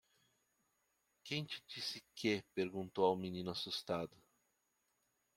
"Quem te disse que?" perguntou ao menino? assustado.